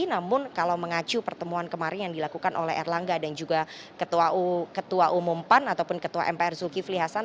namun kalau mengacu pertemuan kemarin yang dilakukan oleh erlangga dan juga ketua umum pan ataupun ketua mpr zulkifli hasan